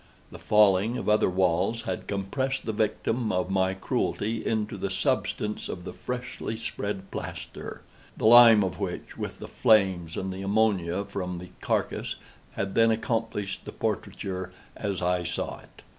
The falling of other walls had compressed the victim of my cruelty into the substance of the freshly spread plaster; the lime of which, with the flames, and the ammonia from the carcass, had then accomplished the portraiture as I saw it.